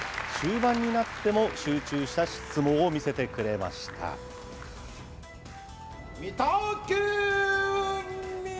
終盤になっても、集中した相撲を見せてくれました。